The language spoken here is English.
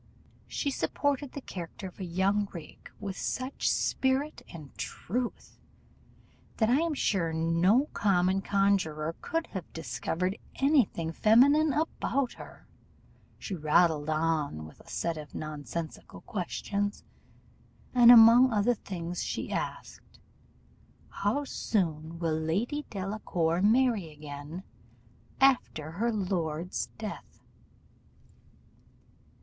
She supported the character of a young rake with such spirit and truth, that I am sure no common conjuror could have discovered any thing feminine about her. She rattled on with a set of nonsensical questions; and among other things she asked, 'How soon will Lady Delacour marry again after her lord's death?